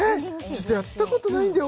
ちょっとやったことないんだよ